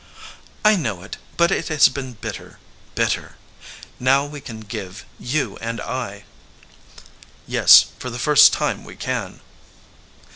"I know it, but it has been bitter, bitter. Now we can give, you and I." "Yes, for the first time, we can."